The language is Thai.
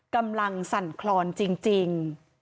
กำลังสั่นคลอนจริง